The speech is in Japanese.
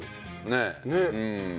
ねえ。